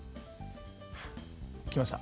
来ました。